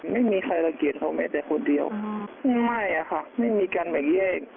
ไม่มีใครรังเกียจเขาแม้แต่คนเดียวไม่อะค่ะไม่มีการแบ่งแยก